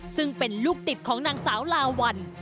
ซึ่งเป็นลูกติดของนางสาวลาวัล